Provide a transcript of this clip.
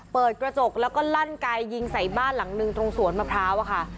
เปิดกระจกแล้วก็ลั่นไกยิงใส่บ้านหลังนึงตรงสวนมะพร้าวอะค่ะ